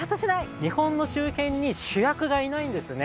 日本の周辺に主役がいないんですね。